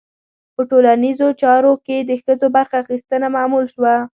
په ټولنیزو چارو کې د ښځو برخه اخیستنه معمول شوه.